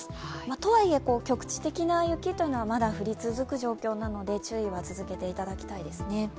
とはいえ、局地的な雪というのはまだ降り続く状況なので注意は続けていただきたいですね。